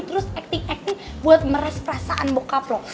terus acting acting buat meres perasaan bokap loh